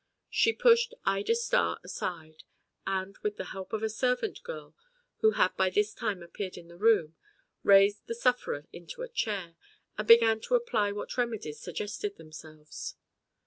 She pushed Ida Starr aside, and, with the help of a servant girl who had by this time appeared in the room, raised the sufferer into a chair, and began to apply what remedies suggested themselves.